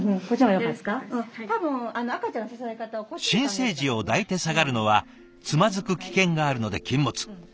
新生児を抱いて下がるのはつまずく危険があるので禁物。